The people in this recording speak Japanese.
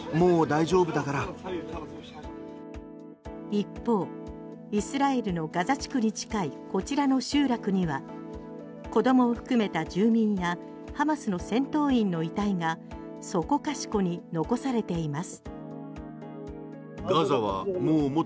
一方イスラエルのガザ地区に近いこちらの集落には子どもを含めた住民やハマスの戦闘員の遺体がそこかしこに残されています。